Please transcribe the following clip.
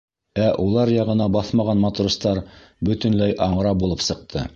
Ә улар яғына баҫмаған матростар бөтөнләй аңра булып сыҡты.